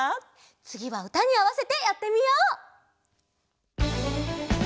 つぎはうたにあわせてやってみよう！